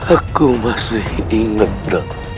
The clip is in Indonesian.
aku masih ingat